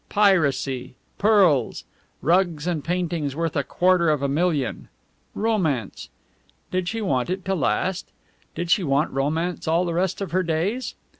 Piracy! Pearls! Rugs and paintings worth a quarter of a million! Romance! Did she want it to last? Did she want romance all the rest of her days?